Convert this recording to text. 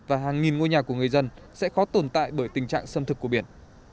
và hàng nghìn ngôi nhà của người dân sẽ khó tồn tại bởi tình trạng xâm thực của biển